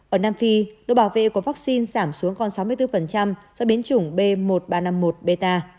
ở nam phi độ bảo vệ của vắc xin giảm xuống còn sáu mươi bốn do biến chủng b một ba trăm năm mươi một beta